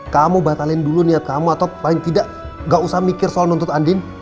kamu batalin dulu niat kamu atau paling tidak gak usah mikir soal nuntut andin